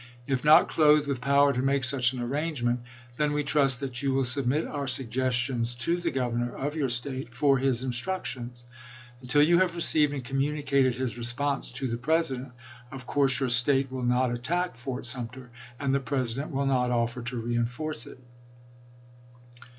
.. If not clothed with power to make such an arrangement, then we trust that you will submit our suggestions to the Gov ernor of your State for his instructions. Until you oFhersto have received and communicated his response to Hayne, "tioi/eeRe1' the President, of course your State will not attack 2drseSton' Fort Sumter, and the President will not offer to gScP°i. reenforce it."